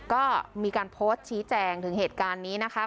ก็มีการอันถึงถึงเหตุการณ์นี้นะคะ